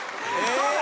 そうだ。